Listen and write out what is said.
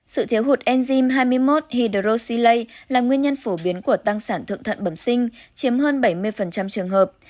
sự thiếu hụt enzyme hai mươi một hidroxylase là nguyên nhân phổ biến của tăng sản thượng thuận bẩm sinh chiếm hơn bảy mươi trường hợp